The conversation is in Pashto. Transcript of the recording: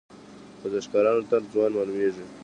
ورزشکاران تل ځوان معلومیږي.